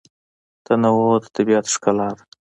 تنوع د طبیعت ښکلا ده.